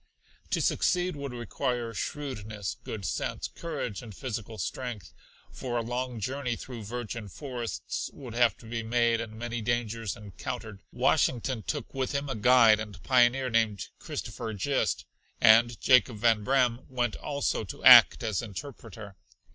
To succeed would require shrewdness, good sense, courage and physical strength for a long journey through virgin forests would have to be made and many dangers encountered. Washington took with him a guide and pioneer named Christopher Gist, and Jacob Van Braam went also to act as interpreter.